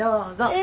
え！